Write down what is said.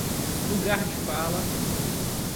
Lugar de fala